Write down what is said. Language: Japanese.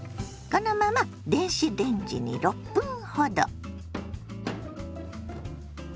このまま電子レンジに６分ほど。